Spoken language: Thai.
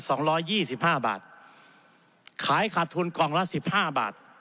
สองร้อยยี่สิบห้าบาทขายขาดทุนกล่องละสิบห้าบาท